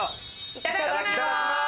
いただきます。